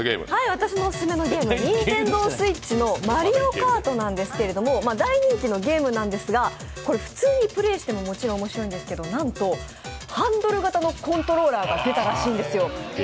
私のオススメのゲーム、ＮｉｎｔｅｎｄｏＳｗｉｔｃｈの「マリオカート」なんですが、大人気のゲームなんですが普通にプレーしてももちろん面白いんですけどなんと、ハンドル型のコントローラーが出たらしいんですよ。